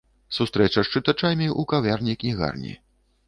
Сустрэча з чытачамі ў кавярні-кнігарні.